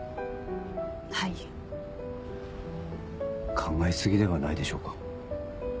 はい考え過ぎではないでしょうか